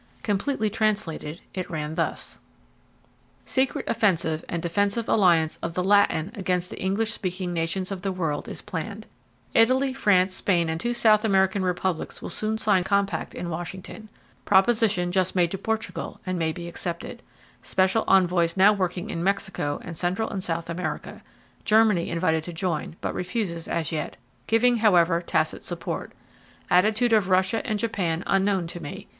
Completely translated it ran thus: "Secret offensive and defensive alliance of the Latin against the English speaking nations of the world is planned. Italy, France, Spain and two South American republics will soon sign compact in Washington. Proposition just made to Portugal, and may be accepted. Special envoys now working in Mexico and Central and South America. Germany invited to join, but refuses as yet, giving, however, tacit support; attitude of Russia and Japan unknown to me.